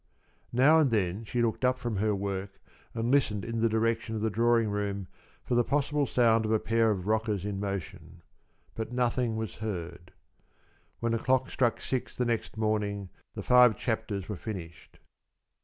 Now and then she looked up from her work and listened in the direction of the drawing room for the possible sound of a pair of rockers in motion. But nothing was heard. When the clock struck six the next morning, the five chapters were finished.